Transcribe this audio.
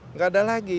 enggak ada lagi